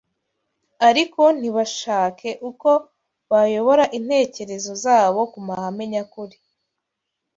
ariko ntibashake uko bayobora intekerezo zabo ku mahame nyakuri